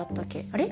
あれ？